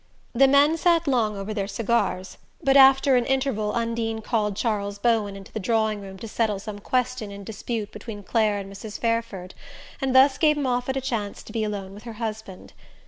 The men sat long over their cigars; but after an interval Undine called Charles Bowen into the drawing room to settle some question in dispute between Clare and Mrs. Fairford, and thus gave Moffatt a chance to be alone with her husband.